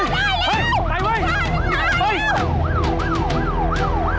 เขามาช่วยแล้วนะเขามาช่วยแล้ว